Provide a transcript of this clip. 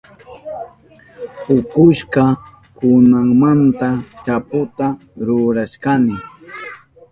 Pukushka kunamanta chaputa rurashkani.